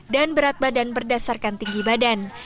dan berat badan berdasarkan tinggi badan